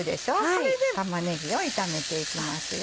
これで玉ねぎを炒めていきますよ。